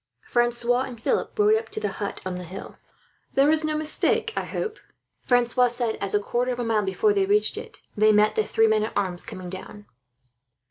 Francois and Philip rode up to the hut on the hill. "There is no mistake, I hope," Francois said as, a quarter of a mile before they reached it, they met the three men at arms coming down.